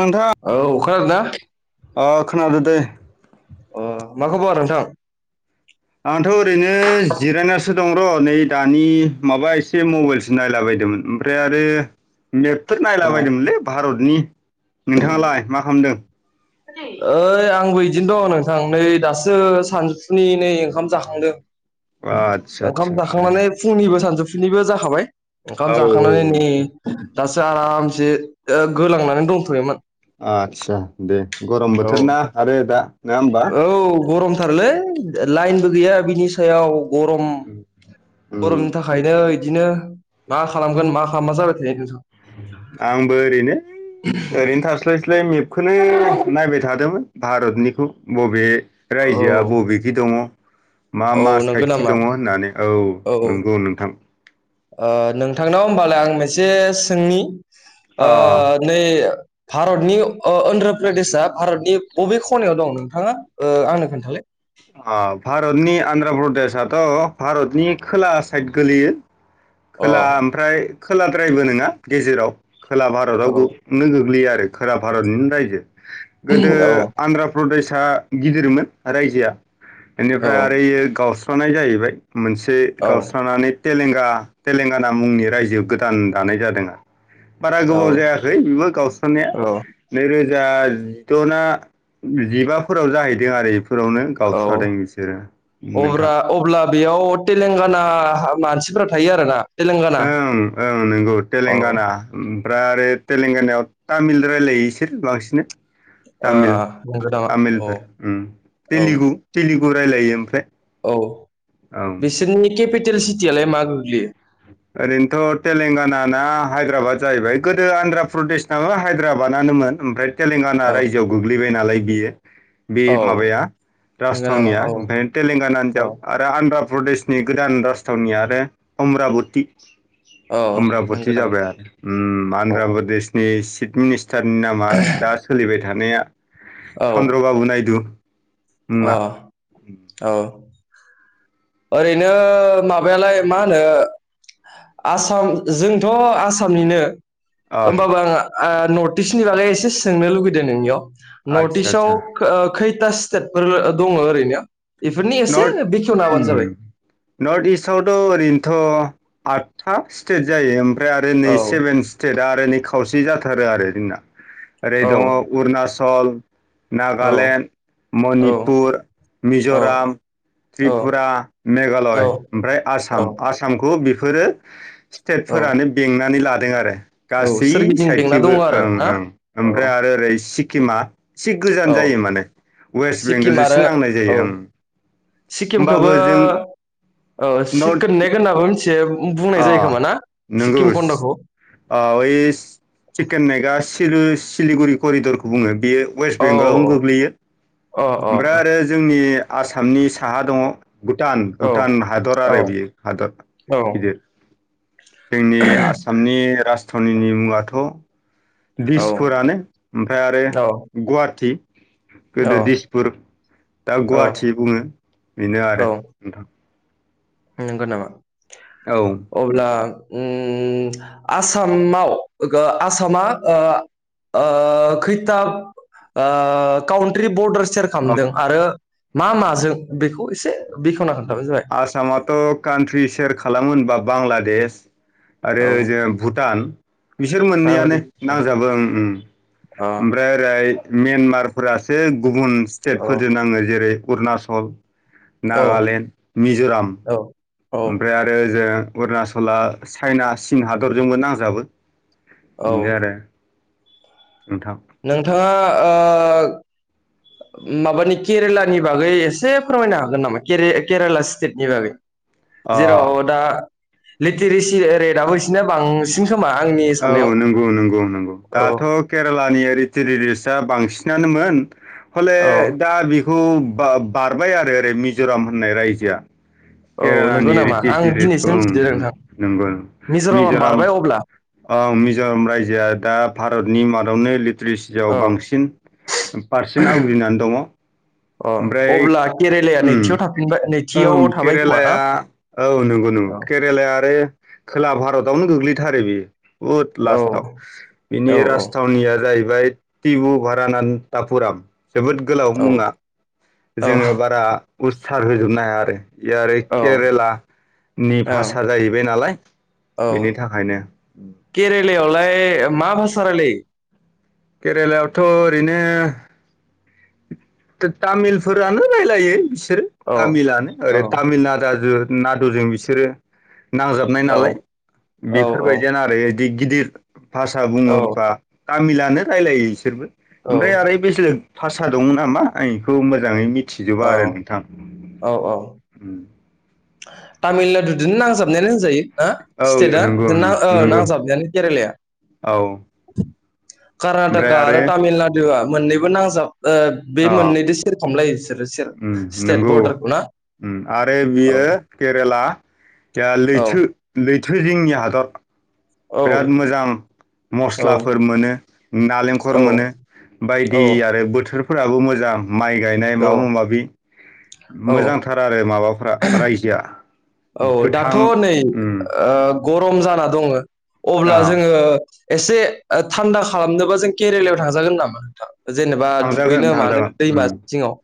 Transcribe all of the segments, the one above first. नोंथाङा औ खोनादोंना अ खोनादो दे अ मा खबर नोंथां? आंथ' ओरैनो जिरायनासो दं र' नै दानि माबा एसे मबाइलसो नायलाबाय- दोंमोन ओमफ्राय आरो मेपफोर अ नायला बायदोंमोनलै भारतनि नोंथाङालाय मा खालामदों? ओइ आंबो इदिनो दं नोंथां नै दासो सानजौफुनि नै ओंखाम जाखांदों आदसा आदसा ओंखाम आदसा जाखांनानै फुंनिबो सानजौ- फुनिबो जाखाबाय ओंखाम औ औ जाखांनानै औ नै दासो आराम से गोलांनानै दंथ'योमोन आदसा दे गरम औ बोथोर ना आरो दा नङा होमबा औ गरमथारलै लाइनबो गैया बिनि सायाव गरम उम गरमनि थाखायनो इदिनो मा खालामगोन मा खालामा जाबाय थायो नोंथां आंबो ओरैनो ओरैनो थास्लायस्लाय मेप- खौनो नायबाय थादोंमोन भारतनिखौ बबे औ रायजोआ बबेखि दङ मा औ मा नंगौ साइदखि नामा दङ होननानै औ नंगौ नोंथां ओ नोंथांनाव होमबालाय आं मोनसे सोंनि अ ओ नै भारतनि अन्ध्र प्रदेशआ भारतनि बबे खनायाव दं नोंथाङा आंनो खोन्थालाय अ भारतनि आन्ध्र प्रदेशआथ' भारतनि खोला साइद गोलैयो अ खोला ओमफ्राय खोलाद्रायबो नङा गेजेराव खोला औ भारतावनो गोग्लैयो आरो खोला भारतनिनो रायजो गोदो औ आन्ध्राप्रदेशआ गिदिरमोन रायजोआ बेनिफ्राय आरो इयो गावस्रानाय जाहैबाय मोनसे औ गावस्रानानै तेलेंगा तेलेंगाना मुंनि रायजो गोदान दानाय जादों बारा औ गोबाव जायाखै बेबो गावस्रनाया औ नैरोज जा जिदना जिबाफोराव जाहैदों आरो बेफोरावनो गावसोर अ अब्रा अब्ला बेयाव तेलेंगाना मानस फोरा थायो आरो ना ओं ओं नोंगौ तेलेंगाना ओमफ्राय आरो तेलेंगानायाव तामिल रायजलायो बिसोरो बांसिन ओ तामिल नंगौ नामा औ तामिलफोर उ औ तेलिगु तेलिगु रायलायो ओमफ्राय औ औ बिसोरनि केपिटेल सिटियालाय मा गोग्लैयो दा हायद्राबाद जाहैबाय गोदो आन्ध्र् प्रदेशनाबो हायद्राबादनोन ओमफ्राय तेलेंगाना औ रायजोआव गोग्लैबाय नालाय बियो बे औ माबाया नंगौ नामा राजथावनिया औ ओमफ्राय तेलेंगाना औ हजाब आरो अन्ध्रा प्रदेशनि गोदान राजथावनि आरो अमराबती औ नंगौ अमरापथि नामा जाबाय आरो उ औ अन्ध्र प्रदेशनि चिफ मिनिस्टार टारनि नामा दा सोलिबाय थानाया चन्द्र बाबु नायदु अ मुङा औ ओरैनो माबायालाय मा होनो आसाम जोंथ आसामनिनो औ होनोमबाबो आं ओ नर्थस्टनि बागै एसे सोंनो लुगैदों नोंनियाव नर्ट आदसा इस्टआव आदसा खो खैथा स्टेटफोर दङ ओरैनो बेफोरनि एसे नर्थ बेखेवना होबानो जाबाय नर्थ इस्टआवथ ओरैनोथ आदथा स्टेट जायो ओमफ्राय आरो नै औ सेभेन स्टेटआ आरो नै खावसे जाथों थारो आरो जोंना ओरै औ दङ अरुनाचल औ नागालेण्ड औ मणिपुर मिजराम औ त्रिपुरा औ मेघालय ओमफ्राय औ आसाम आसामखौ बेफोरो औ स्टेटफोरानो बेंनानै लादों आरो औ गासै सोरगिदिं बेंना दङ साइदखिबो आरो ओं ना ओं औ ओमफ्राय आरो ओरै सिक क्किमा एसे गोजान औ जायो माने वेस्ट बेंगलजोंसो नांनाय जायो ओं होमबाबो सिक्किमखोबो जों औ नर्थ सिक्किम नेगोनाबो मिथियो बुंनाय जायो खोमा ना सिक्किम खन्दखौ ओव ओइस चिकेन मेगआ सिलिगुरि करिदरखौ बुङो बेयो वेस्ट औ बेंगलावनो गोग्लैयो अ ओमफ्राय आरो अ जोंनि आसामनि साहा दङ भुटान औ भुटान हादर औ आरो बियो हादर औ गिदिर जोंनि आसामनि राज राजथाननिनि मुङाथ औ दिसफोरानो ओमफ्राय आरो गुवाहाटि औ गोदो दिसपुर दा औ गुवाहाटि बुङो बेनो औ आरो नोंथां नंगौ नामा औ अब्ला उ आसामाव आसामा ओ ओ खैथाब ओ कउन्ट्रि बर्डा सेर खालामदों अ आरो मा माजों बेखौ एसे बेखेवना खोन्थाबानो जाबाय। ओ कान्ट्रि शयार खालामो होनबा बांलादेश आरो औ ओजो भुटान बिसोर मोननैयानो बांलादेश नांजाबो उम उम। अ ओमफ्राय ओरै मेनमार फोरासो गुबुन स्टेट औ फोरजो नाङो ओरै अरुनाचल औ नागालेण्ड, मिजराम। औ औ ओमफ्राय आरो ओजों अरुणाचला चाइना चिन हादरजोंबो नांजाबो। औ बिनो आरो [inaudible] नोंथां। नोंथाङा ओ माबानि केरेलानि बागै एसे फोरमायनो हागोन नामा के-केरेला स्टेटनि बागै? अ जेराव दा लिटिरेसि रेटआबो इसोरना बांसिन खोमा आंनि औ साननायाव नंगौ नंगौ नंगौ औ दाथ' केरेलानि लिटिरेसि रेट बांसिनानोमोन औ ह'लेदा खौ बा-बारबाय आरो ओरै मिज'राम होननाय रायजोआ। औ नंगौ नामा आं केरेलानिरटिसि दिनैसो रेटखौं उम मिथिदो उम नोंथां नंगौ मिज'रामा मिज'राम बारबाय अब्ला ओं मिज'राम रायजोआ दा भारतनि मादावनो लिरिट्रिसिआव औ बांसिन पारसेन्ट आवग्रिनानै दङ। अ ओमफ्राय अब्ला केरेलाया उम नैथियाव थाफिनबाय ओं नैथियाव थाबाय खोमा केरेलाया ना औ नंगौ नंगौ। औ केरेलाया आरो खोला भारतावनो गोग्लैथारो बेयो। बुहुत औ लास्टाव बिनि औ राजथावनिया जाहै बाय टिबुभारानानटापुराम जोबोद गोलाव औ मुङा। औ जोङो बारा उस्थार होजोबनो हाया आरो। बियो आरो औ केरेला नि ओं भाषा जाहैबाय नालाय। औ बिनि थाखायनो [inaudible] केरेलायावलाय मा भाषा रायलायो? केरेलायावथ' ओरैनो तो तामिलफोरानो रायलायो बिसोरो औ तामिलानो औ ओरै तामिलनाडाजु नादुजों बिसोरो नांजाबनाय औ नालाय बेफोरबायदियानो आरो गदिर गिदिर भाषा औ बुङोबा तामिलानो रायलायो इसोरबो। औ औ ओमफ्राय आरो [unintelligible] भासा दं नामा आं इखौ मोजाङै मि थिजोबा औ आरो नोंथां। उम तामिलनाडुदोनो नांजाबनायानो होनजायो। हो औ स्टेटआ नंगौ ना नों ओ नंगौ नांजाबनायानो केरेलाया। औ कर्नाटका आरो तामिलनाडुआ मोननैबो नांजाब ओ बे अ मोननैदो सेरखामलायो बिसोरो सेर उम स्टेट नंगौ बरदारखौ ना। उम आरो औ बियो केरेला दा औ लैथो लैथो जिंनि हादर। औ बिराद मोजां औ मस्लाफोर मोनो, नालेंखर मोनो। बायदि आरो बोथोर फोराबो मोजां माइ गायनाय औ माबा माबि, औ मोजांथार आरो माबा फ्रा रायजोआ। औ दाथ' गोथां नै उम ओ गरम जाना दङो अ अब्ला जोङो एसे ओ थान्दा खालामनोबा जों केरेलायाव थांजागोन नामा नोंथां? जेनेबा दुगैनो मानो दैमा जिङाव?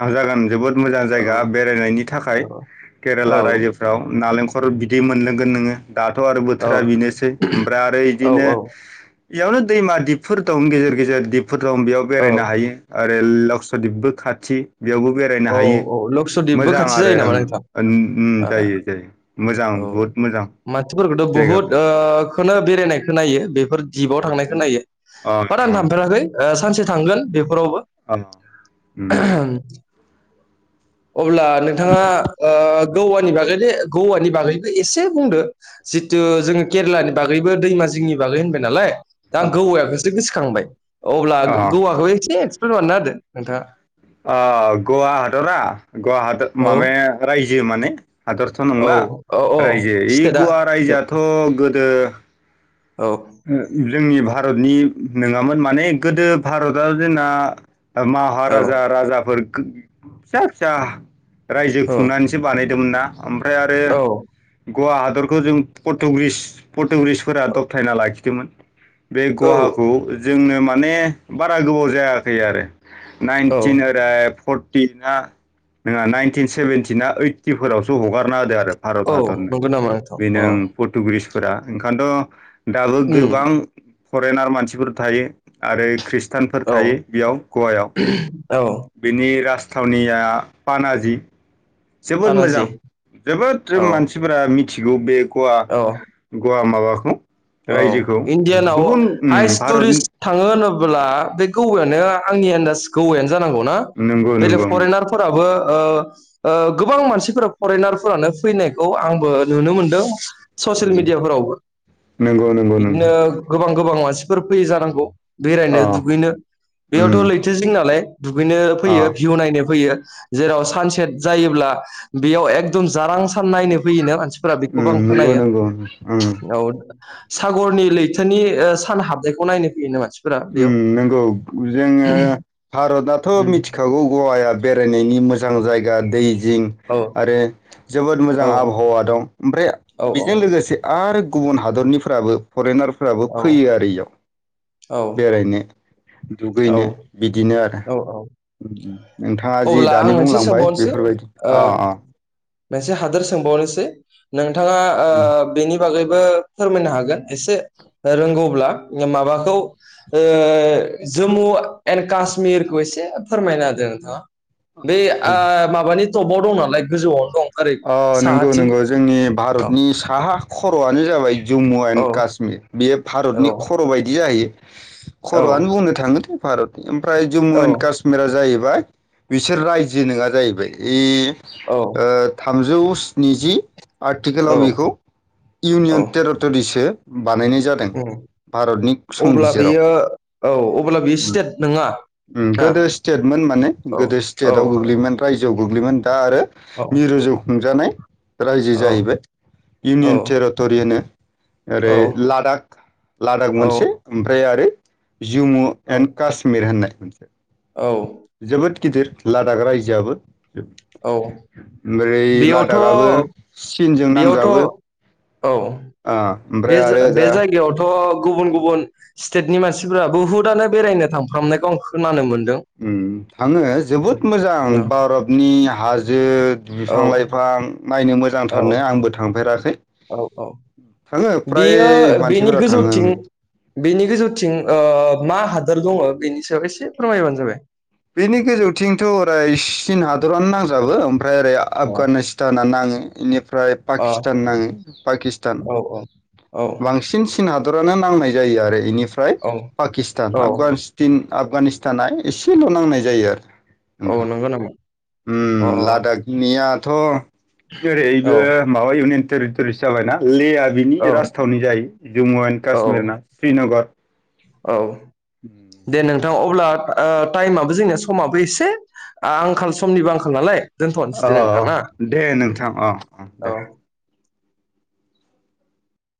थां जागोन जोबोद मोजां औ जायगा बेरायनायनि थाखाय औ केरेला औ रायजोफ्राव नालेंखर बिदै मोनलोंगोन नोङो। दाथ' आरो औ बोथोरा बेनोसै ओमफ्राय आरो इदिनो औ इयावनो दैमा दिपफोर दं गेजेर गेजेर दिपफोर दं बेयाव औ बेरायनो हायो। ओ बेल लक्स' दिबो खाथि। बेयावबो बेरायनो औ हायो औ लक्सदिपबो मोजां खाथि आरो जायो नामा नोंथां ओन उम आ जायो जायो मोजां औ बहुत मोजां मानसिफोरखौथ' बुहुत जायगाफोर ओ खोनो बेनायनायखो नायो बेफोर दिपाव थांनाय खो नायो अ बाद मा अ थांफेराखै सानसे थांगोन बे फोरावबो अ उम [unintelligible] अब्ला ग'वानि बागै ग'वानि बागै एसे बुंदो जितु जोङो केरेलानि बागैबो दैमाज जोंनि बागै होनबाय नालाय दा आं अ गौवाखौसो गोसोखांबाय अब्ला अ गौवाखौ एसे एक्सप्ल बानायना होदो नोंथाङा ओ गवा हदरा गवा औ माबाया रायजो माने हादरथ' औ नंला औ औ रायजो ओइ स्टेटआ गवा रायजोआथ' गोदो औ जोंनि भारतनि नङामोन माने गोदो भारतआ जोंना औ महाराजा राजाफोर फिसा फिसा रायजो औ खुंनानैसो बानाय मफ्राय आरो औ गवा हादरखौ जों पर्टुिस टुरिस्टफोरा दबथायना लाखिदोंमोन बे औ गहााखौ जोंनो माने बारा गोबाव जायाखै आरो औ नाइनटिन ओरै फ टिना नहा नाइनटिन सेभेनटिना ओइटिफोरावसो हगारना होदो आरो भारत औ हादरनो नंगौ नामा नोंथां अ बेनो पर्टुगिस फोर ओंखायथ' दाबो उम गोबां फरेनार मानसिफोर थायो आरो खृ थानफोर औ थायो बेयाव गवायाव औ बिनि राजथावनिया पानाजि जोबोद मोजां पानाजि जोबोद औ मानसिफोरा मिथिगौ बे गवा औ गवा माबाखौ औ रायजोखौ इण्डियानाव गुबुन भारतनि हाइस्टुरिस्ट थाङो होनोब्ला जला बे गौवायानो आंनि आन्द गौवयानो जानांगौनाा नंगौ बेले नंगौ उम फरेनारफोराबो ओ ओ गोबां मानसिफोरा फरेनारफोरानो फैनायखौ आंबो नुनो मोनदों ससियेल मिडियाफोरावबो नंगौ नंगौ बिदिनो नोंथां गोबां गोबां मानसिफोर फैय जानांगौ बेरायनो अ दुगैनो बेयावथ' उम लैथो जिं नालाय दुगैनो अ फैयो भिउ नायनो फैयो जेराव सानसेट जायोब्ला बेयाव एकदम जारां सान नायनो फैयोना मानसि फोर बेखौबो आं उम नंगौ खोनायो नंगौ उम उम औ सागरनि लैथोनि सान हाबनायखौ नायनो फैयो नामा उम नंगौ जोङो भारतआथ' मिथिखागौ गवाया बेरायनायनि मोजां जायगा दै जिं औ आरो जोबोद मोजां औ आबहावा दं ओमफ्राय औ बेजों लोगोसे आरो गुबुन हादरनिफ्राबो फरेनारफ्राबो औ फैयो आरो इयाव औ बेरायनो औ दुगैनो बिदिनो आरो औ औ नोंथाङा जि अब्ला आं दानि मोनसे बुंलांबाय सोंबावनोसै बेफोरबायदि ओ अ अ मोनसे हादोर सोंबावनोसै नोंथाङा ओ बेनि बागै फोरमायनो हागोन एसे रोंगौब्ला माबाखौ ओ जम्मु एण्ड काश कासमिरखौ एसे फोरमायना होदों नोंथाङा बे अ ओ माबानि टबाव दं नालाय गोजौआव दं ओरै अ नंगौ साहाथिं नंगौ जोंनि औ भारतनि साहा खर'आनो जाबाय जम्मु औ एन्ड काश्मिर बेयो औ भारतनि खर' बायदि जाहैयो औ खर'आनो बुंनो थाङोदे भारतनि ओमफ्राय जम्मु एन्ड काश्मिरा जाहैबाय बिसोर रायजो नङा जाहैबाय औ गजौ स्निजि औ आर्टिकेलाव बेखौ औ इउनियन टेरिट'रिसो बानायनाय जादों उम भारतनि अब्ला संबिजिराव बेयो औ अब्ला बेयो उम स्टेट नङा ना गोदो स्टेटमोन माने औ गोदो औ स्टेटआव गोग्लैयोमोन रायजो गोग्लैयोमोन दा आरो औ मिरु जौ खुंजानाय रायजो जाहैबाय इउनियन टेरिट'रि‌ होनो औ ओरै लादाख - लादाख औ मोनसे ओमफ्राय आरोै जम्मु औ एन्ड कश्मिर होननाय मोनसे औ जोबोद गिदिर लादाख रायजोआबो औ - औ [unintelligible] लादाख आबो बेयावथ' औ ओ ओमफ्राय बेस आरो बे ओजा जायगायावथ' गुबुन गुबुन स्टेटनि मानसिफोरा बुहुतनो बेरायनो थांफ्रामनायखौ आं खोनानो मोन उम थाङो जोबोद मोजां औ भारतनि हाजो बिफां - लाइफां नायनो औ मोजांथारनो आंबो थांफेराखै औ - औ थाङो फ्राय बियो बेनि मानसिफोरा थाङो गोजौथिं बेनि गोेजौथिं ओ मा हादोर दङ बेनि सायाव एसे फोरमायबानो जाबाय बेनि गोजौथिंथ' अराय चीन हादरानो नांजाबो ओमफ्राय ओरै आफगानिस्ताना नाङो इनि फ्राय अ पाकिस्तान नाङो पाकिस्तान औ औ बांसिन चिन हा दरानो नांनाय जायो आरो इनिफ्राय औ पाकिस्तान औ अफगासथिन अफगानिस्तान ए सेल' नांनाय जायो आरो औ नोंथां नंगौ नामा अ उम लादाखनिया थ' औ ओरैबो माबा इउनियन टेरिटरिसो जाबायना लेआ दा बिनि औ राजथावनि जायो जम्मु एन काश्मीरना औ श्रीनगर औ दे नोंथां अब्ला ओ टाइमाबबो जोंनिया समाबो एसे आंखाल समनिबो आंखाल नालाय दोनथ'नोसे अ दे नोंथां ना दे उम नोंथां अ अ दे औ